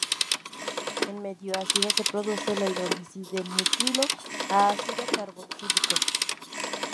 En medio ácido se produce la hidrólisis del nitrilo a ácido carboxílico.